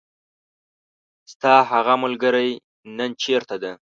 ستاهغه ملګری نن چیرته ده .